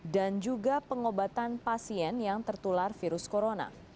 dan juga pengobatan pasien yang tertular virus corona